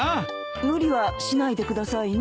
無理はしないでくださいね。